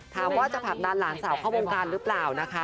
ถามว่าจะผลักดันหลานสาวเข้าวงการหรือเปล่านะคะ